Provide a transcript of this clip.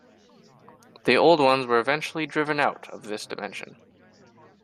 The Old Ones were eventually driven out of this dimension.